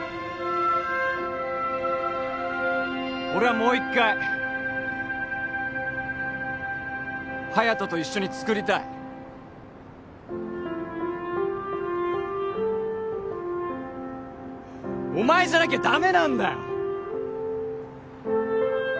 俺はもう一回隼人と一緒に作りたいお前じゃなきゃダメなんだよ！